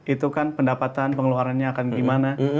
itu kan pendapatan pengeluarannya akan gimana